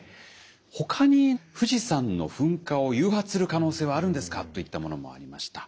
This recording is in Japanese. ほかに富士山の噴火を誘発する可能性はあるんですかといったものもありました。